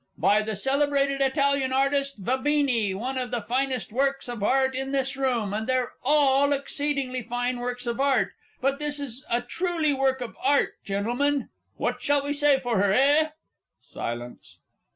_"), by the celebrated Italian artist Vabene, one of the finest works of Art in this room, and they're all exceedingly fine works of Art; but this is a truly work of Art, Gentlemen. What shall we say for her, eh? (_Silence.